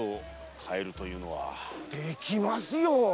できますよ！